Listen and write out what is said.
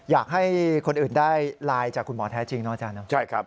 อยากให้คนอื่นได้ไลน์จากคุณหมอแท้จริงเนาะอาจารย์เนอะ